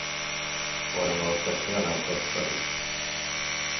Var det några släktingar vid hans dödsbädd?